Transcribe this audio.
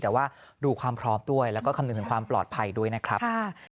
แต่ว่าดูความพร้อมด้วยแล้วก็คำนึงถึงความปลอดภัยด้วยนะครับ